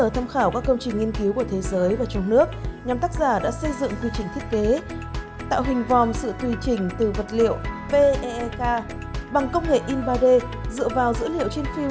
trên cơ sở tham khảo các công trình nghiên cứu